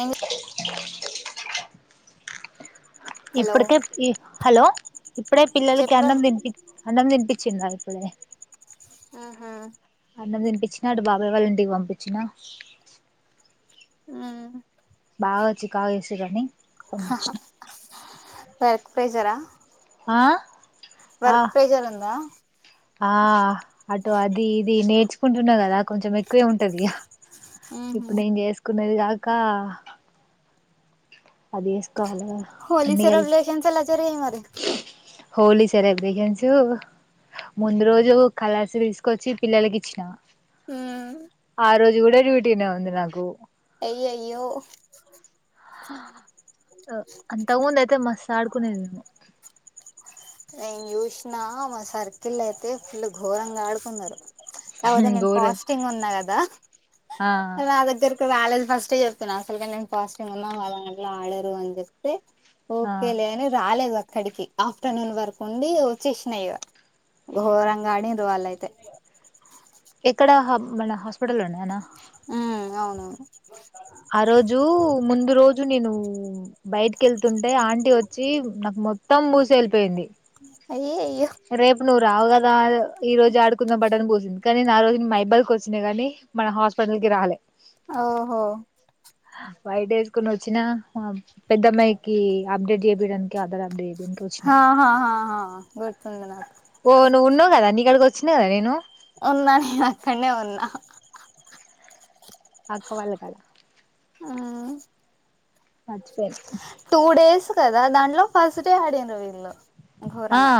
ఎంజ్స్ hello ఇప్పడ్ కె ఈ ఇప్పుడే పిల్లలకి చెప్పురా అన్నం తినిపి అన్నం తినిపిచినండి. ఆహా. వచ్చాడు బాబాయ్ వాళ్ళ ఇంటికి పంపించిన. ఉమ్. బాగా చికాక్ చేసిరని పంపించిన. Work pressure. ఆ ఆ వర్క్ ప్రెజర్ ఉందా. ఆ అటు అది ఇది నేర్చుకుంటున్నా కదా కొంచెం ఎక్కువే ఉంటది ఇగ. ఇప్పుడు నేను చేసుకున్నది కాక అదేస్ హోలీ సెలబ్రేషన్స్ ఎలా జరిగాయి మరి? హోలీ సెలబ్రేషన్స్ ముందు రోజు కలర్స్ తీసుకొచ్చి పిల్లలకు ఇచ్చిన ఉమ్ ఆరోజు కూడా డ్యూటీనే ఉంది నాకు అయ్యయ్యో అంతకముందు అయితే మస్తు ఆడుకునేది నేను జుసినా. మా సర్కిల్ అయితే ఫుల్ ఘోరంగా ఆడుకన్నారు కాకపోతే నేను గోరం ఫాస్టింగ్ ఉన్న కదా ఆ నా దగ్గరికి రాలేదు ఫస్ట్ చెప్పిన అసలకె నేను ఫాస్టింగ్ ఉన్న అలాంటివి ఆడను అని చెప్తే ఆ ఓకే లేని రాలేదు అక్కడికి ఆఫ్టర్నూన్ వరకు ఉండి వచ్చేసినయిగా ఘోరంగా అడిర్రు వాళ్ళు అయితే ఎక్కడ హబ్ మన హాస్పిటల్ లో నేనా ఊ అవును ఆరోజు ముందు రోజు నేను బయటికెళ్తుంటే ఆంటీ వచ్చి నాకు మొత్తం పుసివెళ్ళి పోయింది. అయ్యయ్యో రేప్ నువ్వు రావు గదా ఈరోజు ఆడుకుందాం పటు అని పుసింది కానీ నేను ఆరోజు మైబాద్ కొచ్చిన గాని మన హాస్పిటల్ ల్ రాలే ఓహో వైట్ వేసుకుని వచ్చిన మా పెద్దఅమ్మాయికి అప్డేట్ చేపియ్యడానికి ఆధార్ అప్డేట్ చేపియడానికి వచ్చిన హహహ హ హ ఓ నువ్వు ఉన్నావు గదా నీ కాడికి వచ్చినా కదా నేను ఉన్న నేను ఆక్కడనే ఉన్నా అక్క వాళ్ళకాడికి మ్మ్. మర్చిపోయిన టూ డేస్ కదా దాంట్లో ఫస్ట్ డే యాడ్ అయ్యిండ్రు వీళ్ళు ఆ ఘోరంగా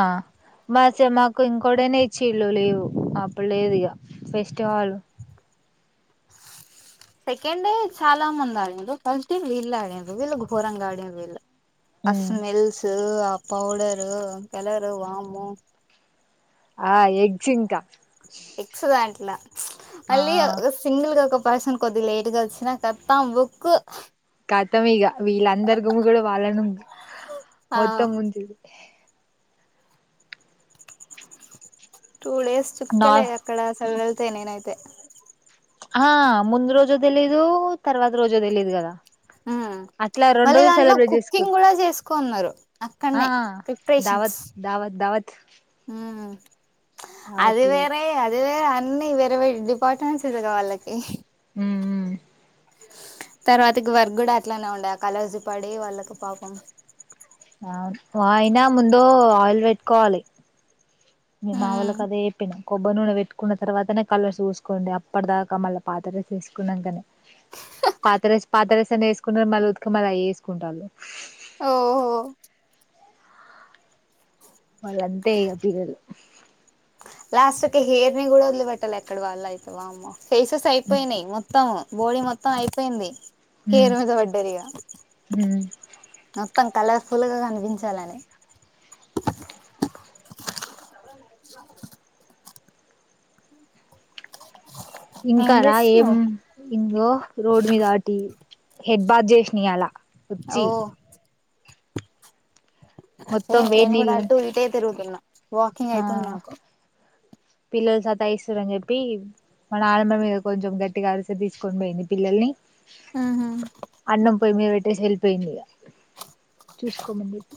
మాసె మాకు ఇంకో కోడనే ఇచ్చిళ్ళు లేవు అప్పుడు లేదు ఇగ పేస్ట్ హాల్ సెకండ్ డే చాలా మంది ఆడిండ్రు ఫస్ట్ డే వీళ్ళు ఆడిండ్రు వీళ్ళు ఘోరంగా ఆడిండ్రు వీళ్ళు ఆ స్మైల్సు, ఆ పౌడర్ కలర్ వామ్మో ఆ ఎగ్స్ ఇంకా లా ఆ మళ్లీ ఓ ఒక సింగిల్ గా ఒక పర్సన్ కొద్దిగా లేటుగా వచ్చినా ఖతం బుక్ ఖతం ఇగ వీళ్ళందరు గుమీగూడి వాళ్ళను ఆ మొత్తం ముంచిరు టూ డేస్ నా చుక్కలే అక్కడ అసల్ వెళ్తే నేనైతే ఆ ముందు రోజు తెలీదు తర్వాత రోజు తెలీదు కదా ఊ అట్లా రెండు మళ్ళీ రోజులు దాంట్లో సెలబ్రేట్ కుకింగ్ చేసుకురు కూడా చేసుకోన్నరు ఆ అక్కడనే ప్రిపరేషన్ దావత్ దావత్ దావత్ మ్మ్ అది దావత్లు వేరే అది వేరే అన్నీ వేరే వే డిపార్ట్మెంట్స్ వాళ్ళకి ఉమ్ ఉమ్ తర్వాతకి వర్క్ కూడా అట్లానే ఉండా కలర్స్ పడి వాళ్ళకు పాపం అవును అయినా ముందు ఆయిల్ పెట్టుకోవాలి నేన్ మా ఉమ్ ఒళ్ళకు చెప్పిన కొబ్బర్ నూనె పెట్టుకున్న తర్వాతనే కలర్స్ చూసుకోండి అప్పటిదాకా మళ్ళ పాత డ్రెస్ వేసుకున్న కనే పాతడ్రెస్ పాతడ్రెస్ అన్ని వేసుకొని మళ్ళీ ఉతికి మళ్ళా అవే ఏసుకుంటాల్లు ఓహో వాళ్ళంతే ఇక పిల్లలు లాస్ట్ ఒక హెయిర్ ని కూడా వదిలిపెట్టలే అక్కడ వాళ్ళు అయితే వామ్మో ఫేసెస్ అయిపోయినయి మొత్తం బాడీ మొత్తం అయిపోయింది హెయిర్ మీద పడ్డరిగా మొత్తం కలర్ పుల్ గా కనిపించాలని ఏం ఇంకా రా ఏం చేస్తున్నావ్ ఇంగో రోడ్ మీద ఆతీ హెడ్ బాత్ చేసినీయాలా ఆఓ ఏ మొత్తం వేడి నేను కూడా నీళ్ళ అటు ఇటే తిరుగుతున్నా వాకింగ్ అయితుంది నాకు పిల్లల్ సతాయిస్తరని చెప్పి మన నానమ్మ మీద కొంచెం గ ట్టిగ అరిసి తీసుకొని పోయింది పిల్లల్ని అన్నం పోయి మీద పెట్టేసి ఎల్పోయింది ఇగ చూసుకోమని చెప్పి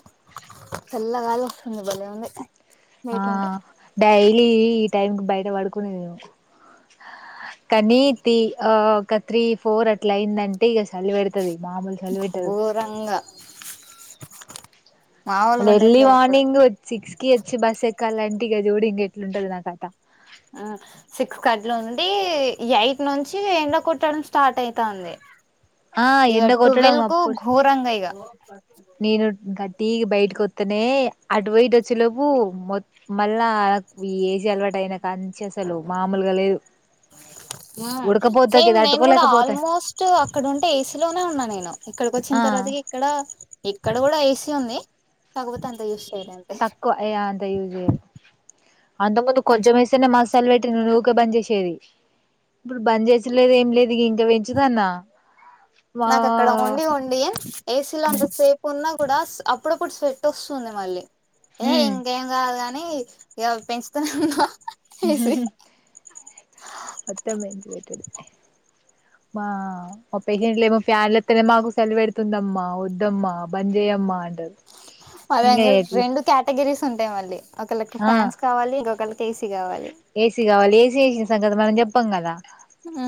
ఇంగో బలే ఉంది ఆ బయట ఉంటే డైలీ ఈ టైంకిి బయట పడుకునేది ఏమో కానీ తి ఆ ఒక త్రీ ఫోర్ అట్లా అయిందంటే ఇగ చలి పెడతది మామూలు చలి పెట్టదూ ఘోరంగా మాములుగా మళ్ళా ఎర్లీ ఉండట్లే అప్పుడు మార్నింగ్ సిక్స్ కి వచ్చి బస్ ఎక్కాలంటే ఇగ చూడు ఇంగ ఎట్లుంటది నా కథ ఆ సిక్స్ కి అట్లుండి ఎయిట్ నుంచి ఎండ కొట్టడం స్టార్ట్ అయితాంది ఆ ఇక ఎండ కొట్టడం టువెల్ కు అప్పుడు ఘోరంగ ఇగ నేను గ టీ కి బయటకి వత్తేనే అటుపోయిటు వచ్చే లోపు మళ్ళా ఏసీ అలవాటు అయినా కాంచి అసలు మామూలుగా లేదు ఆ ఉడకపోతకి సేమ్ నేను కూడా తట్టుకోలేకపోతాను ఆల్మోస్ట్ అక్కడుంటే ఏసీలోనే ఉన్నా నేను ఇక్కడికి వచ్చిన ఆ తర్వాత చక్కగ ఇక్కడ ఇక్కడ కూడా ఏసీ ఉంది కాకపోతే అంత యూజ్ తక్కువ ఇగ అంత యూజ్ చెయరు అంతకు ముందు కొంచెం వేస్తేనే మసల్ పెట్టి ఊకే బన్ చేసేది ఇప్పుడు బంద్ చేసుడులేదు ఏం లేదు ఇంకా పెంచుదన్నా మా నాకు అక్కడ ఉండి ఉండి ఏసీ లో అంత సేపు ఉన్నా కూడా అప్పుడప్పుడు స్వెట్ వస్తుంది మళ్ళీ ఏ హ్మ్ ఇంకేం కాద ని ఇగ పెంచుతూనే ఉన్నా ఏసి మొత్తం పెంచి పెట్టుడు మా మా పేషెంట్లు ఏమో ఫ్యాన్లు ఎతేనే మాకు చలి పెడుతుందమ్మా వద్దమ్మా బంద్ చేయమ్మా అ అదె అన్నాడు రెండు కేటగిరీస్ ఉంటాయి మళ్ళీ ఒకళ్ళకు ఆ ఫ్యాన్స్ కావాలి ఇంకొ ఒకళ్ళకి ఏసీ కావాలి ఏసీ కావాలి ఏసీ వేసిన సంగతి మనం చెప్పాం కదా ఉమ్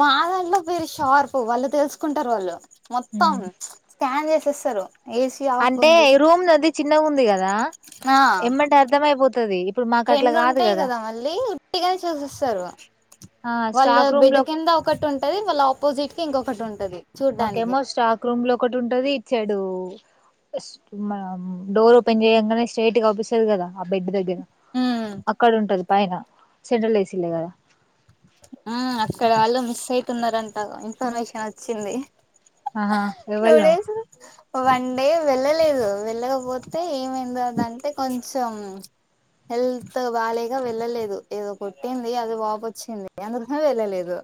మా దాంట్లో పేరు షార్ప్ వాళ్ళు తెలుసుకుంటారు వాళ్ళు మొత్తం స్కాన్ చేసేస్తారు ఏసీ ఆఫ్ అంటే ఉంది రూమ్ నాది చిన్నగా ఉంది కదా ఆ ఏమ్మంటే అర్థమయిపోతుది రెండు ఉంటాయి కదా మళ్ళీ ఉట్టిగానే చూసిస్తారు ఆ వాళ్ళ స్టాక్ రూమ్ బెడ్ లో కింద ఒకటి ఉంటది వాళ్ళ ఆపోజిట్ కి ఇంకొకటి ఉంటది చూడ్డానికి మాకేమో స్ట్రాక్ రూమ్ లో ఒకటి ఉంటది ఇచ్చాడు ఫస్ట్ మనం డోర్ ఓపెన్ చేయంగానే స్ట్రెయిట్ అపిస్తది కదా ఆ బెడ్ దగ్గర అక్కడ ఉంటది పైన సెంట్రల్ ఎసి లే కదా తేతున్నారంట ఇన్ఫర్మేషన్ వచ్చింది ఆహా ఎవళనో టూడే వన్ డే వెళ్ళలేదు వెళ్ళకపోతే ఏమైంది అదంటే కొంచెం హెల్త్ బాలేక వెళ్ళలేదు ఏదో కొట్టింది అది వాపు వచ్చింది అందుకనే వెళ్ళలేదు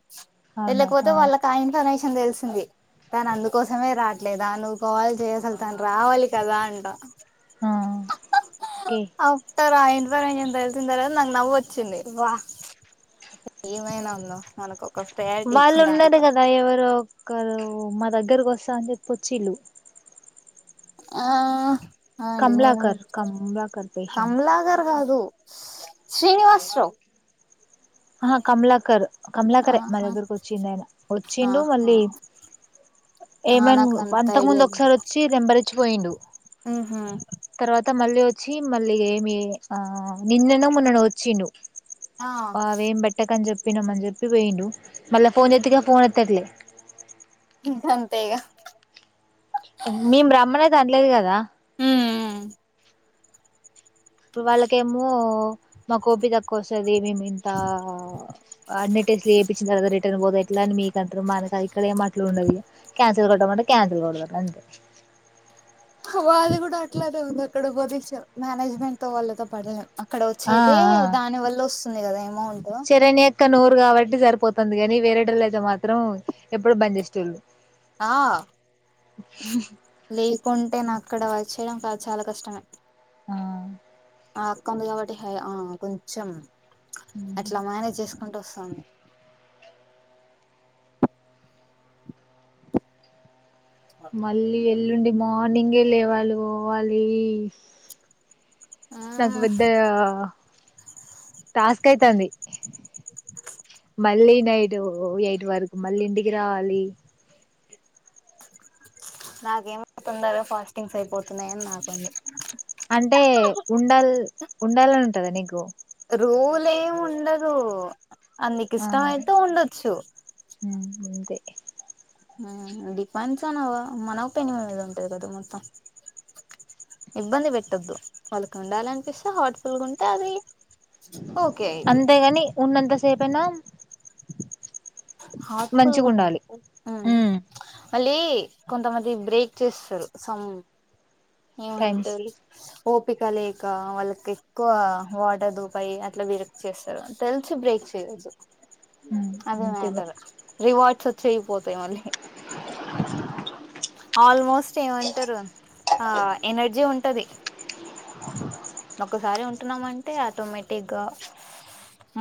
వెళ్ళకపోతే వాళ్ళకి ఆ ఇన్ఫర్మేషన్ తెలిసింది తను అందుకోసమే రాట్లేదా నువ్వు కాల్ చేయి అసలు తను రావాలి కదా అంట ఆ ఓకే అతారయి ఇన్ఫర్మేషన్ తెలిసిన తర్వాత నాకు నవ్వొచ్చింది వా ఏమైనా ఉందో మనకు ఒక ప్రయారిటీ వాళ్ళు ఇచ్చిండ్రు ఉన్నారు అనుకున్న కదా ఎవరు ఒకరు మా దగ్గ దగ్గరకి వస్తంది పుచిలు ఆ ఆ అండి నేను కమలాకర్ కమలాకర్ పేషెంట్ కమలా గారు కాదు శ్రీనివాస రావ్ ఆహా కమలాకర్ కమలాకరే మా ఆహా దగ్గరకు వచ్చిండు ఆయన వచ్చిండు ఆహా మళ్ళీ ఆ ఏమం నాకు అంత అంతకు ముందు ఒకసారి వచ్చి నెంబర్ ఇచ్చి పోయిండు హ్మ్ హ్మ త్త మళ్ళీ వచ్చి మళ్ళీ ఏమి ఆ నిన్నెనో మొన్ననో వచ్చిండు ఆ అవ ఏం పెట్టకని చెప్పినాంమని చెప్పి పోయిండు మళ్ళీ ఫోన్ చేతే ఫోన్ ఎత్తట్లే గాంతేఇగ మేము రమ్మన్ అయితే అనలేదకదా ఉ వాళ్ళకేమో మా కోపి తక్కువ వస్తుంది మేమి ఇంత అన్ని ఇట్ల చెపిచినక రిటర్న్ పోతే ఎట్లా ఇట్లా అని మీక అంటారు మనకు ఇక్కడ ఏమో అలా ఉండదు క్యాన్సిల్ కొట్ట మంటే క్యాన్సిల్ కొడతారు అంతే వాళ్ళది కూడా అట్లానే ఉంది అక్కడ బదించ మేనేజ్మెంట్ తో వాళ్ళతో పడలేం అక్కడ వచ్చేద దాని వల్ల వస్తుంది కదా అమౌంట్ చరణ్య అక్క నోరు కాబట్టి సరిపోతంది కాని వేరేటోల్ల అయితే మాత్రం ఎప్పుడు బంధిస్తుళ్ళు ఆ లేకుంటే నా అక్కడ వ చేయడం కాదు చాలా కష్టమే ఆ ఆ అక్క ఉంది కాబట్టి హై ఆ కొంచెం అట్లా మేనేజ్ చేసుక్ కుంటు వస్తంది మళ్ళీ ఎల్లుండి మార్నింగే లేవళి పోవాలి నాకు పెద్దా టాస్క్ అయితంది మళ్ళీ నైట్ యేట్ వరకు మళ్ళీ ఇంటికి రావాలి నాకేమో తొందరగా ఫాస్టింగ్స్ అయిపోతున్నాయని నా బాద్ అంటే ఉండాల్ ఉండాలని ఉంటదా నీకు రూలేమీ ఉండదు అది నీకు ఆ ఇష్టం అయితే ఉండొచ్చు అంతే హ్మ డిపాన్స్న ఆన్ ఆవ్ మన ఒపీనియన్ మీద ఉంటది కదా మొత్తం ఇబ్బంది పెట్టద్దు వాళ్ళకి ఉండాలనిపిస్తే హాట్ ఫుల్గా ఉంటే అది ఓకే అయిద్ది అంతేగాని ఉన్నంతాసేపయినా హట్ ఫుల్ గు హ్మ మళ్ళీ కొంతమంది బ్రేక్ చేస్తారు సమ్ టైమ్స్ ఏమంటారు ఓపిక లేక వాళ్ళకి ఎక్కువ వాటర్ దూపాయి అట్లా బ్రేక్ చేస్తారు తెలిసి బ్రేక్ తెల్సు అదే అంతే బట్ మ్యాటర్ రివార్డ్స్ వచ్చే పోతాయి మళ్ళీ ఆల్మోస్ట్ ఏమంటారు ఆ ఎనర్జీ ఉంటది ఒక్కసారి ఉంట ఉంటున్నాం అంటే ఆటోమేటిక్ గా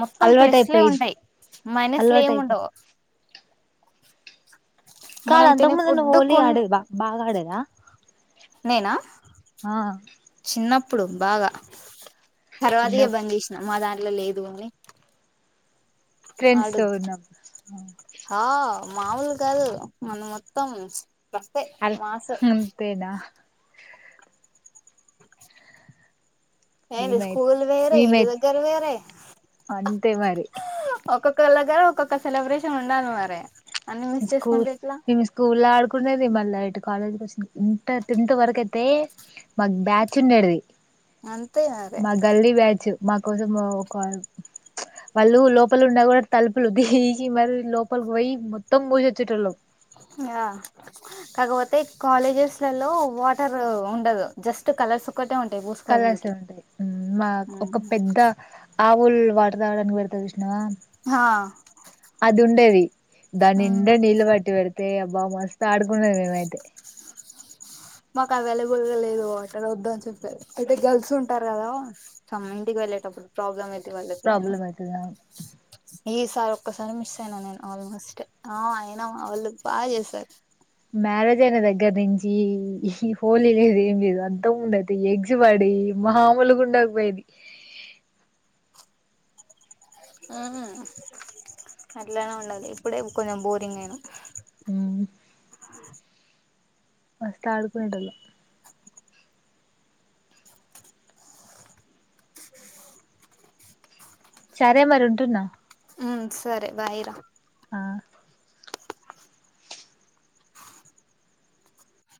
మొత్తం అలవాటు ప్లస్ లే అయిపోయిది ఉంటయి మైనస్ లు అలవాటు ఏము అయిపో ఉండవ్ కాదు మనం అంతకు తినే ముందు నువ్వు ఫుడ్ హోలీ కోన్ ఆడేది బా బాగా ఆడేదా నేనా ఆ చిన్నప్పు పూడు బాగా తర్వాత ఇగ చిన్నప్పు బంచేసిన మా దాంట్లో లేదు అని ఫ్రెండ్స్ తో ఆడుగు ఉన్నప్పుడు హా మాముూలు కాదు మన మొత్తం రఫ్ ఏ అల్ మాసు అంతేనా ఏంటిది మేమైతే స్కూల్ వేరే ఇంటి మేమైతే దగ్గర వేరే అంతే మరి ఒక్కొక్కలా దగ్గర ఒక్కొక్క సెలబ్రేషన్ ఉండాలి మరి అన్ని మిస్ స్కూల్ చేసుకుంటే ఎట్లా మేమ్ స్కూల్ లో ఆడుకున్నది మళ్ళా ఇటు కాలేజ్కి వచ్చంది ఇంటర్ టెన్త్ వరకు అయితే మాకు బ్యాచ్ ఉండెడిది అంతే మరి మా గల్లీ బ్యాచ్ు మా కోసం ఒక వాళ్ళు లోపల ఉన్న కూడా తలుపులు దిగి మరి లోపలికి పోయి మొత్తం మూసి వచ్చేటళ్ళు ఆ కాకపోతే కాలేజెస్లలో వాటర్ ఉండదు జస్ట్ కలర్స్ ఒక్కటే ఉంటాయి కళస్ ఏ పూసుకోవడానికి ఉంటాయి మా ఒక పెద్ద ఆవులు వాడతావనికి పె కృష్ణవా ఆ అది ఉండేది ఉమ్ దానిండా నీళ్ళు పట్టి పెడితే బాగా మస్తు ఆడుకుండది మేమైతే మాకు అవైలబుల్ గా లేదు వాటర్ వద్దా అని చెప్పేారు అయితే గర్ల్స్ ఉంటారు కదా చమ్ ఇంటికి టప్పుడు ప్రాబ్లం అయితే వాళ్ళకి అని ప్రాబ్లం అయితది ఈసారి ఒక్కసారి మిస్ అయినా నేను ఆల్మోస్ట్ ఆ అయినా వాళ్ళు బాగా చేశారు మ్యారేజ్ అయిన దగ్గర నుంచి ఈ హోలీ అనేది ఏం లేదు అంత ఉండది ఎగ్స్ పడి మామూలుగాండకపోయేది ఆ అట్లానే ఉండదు ఇప్పుడే కొంచెం బోరింగ్ అయిను ఊ వస్తా ఆడుకుంటలో సరే మరి ఉంటున్నా ఉ సరే బాయరా ఆ